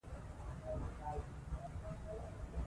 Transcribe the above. ازادي راډیو د سوله په اړه د امنیتي اندېښنو یادونه کړې.